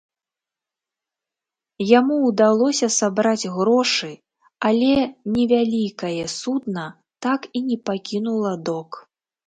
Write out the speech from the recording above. Яму ўдалося сабраць грошы, але невялікае судна так і не пакінула док.